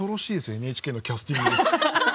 ＮＨＫのキャスティング。